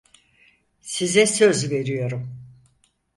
Size söz veriyorum.